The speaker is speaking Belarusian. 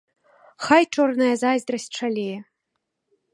Хай чорная зайздрасць шалее.